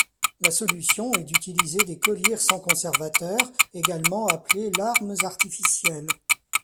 La solution est d'utiliser des collyres sans conservateur, également appelés larmes artificielles.